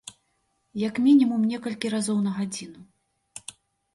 Як мінімум некалькі разоў на гадзіну.